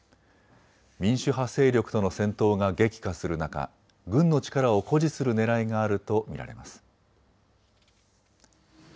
民主派勢力との戦闘が激化する中、軍の力を誇示するねらいがあると見られます。